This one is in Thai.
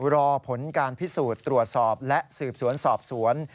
รอผลการพิสูจน์ตรวจสอบและสืบสวนสอบสวน